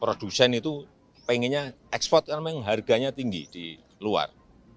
produsen itu pengennya ekspor karena memang harganya tinggi di luar